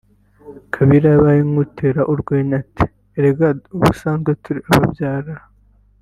Kabila yabaye nk’utera urwenya ati “Erega ubusanzwe turi ababyara